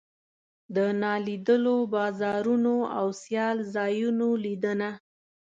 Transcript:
د نالیدلو بازارونو او سیال ځایونو لیدنه.